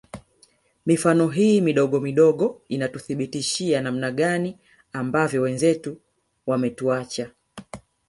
Mifano hii midogo midogo inatuthibitishia namna gani ambavyo wenzetu wametuacha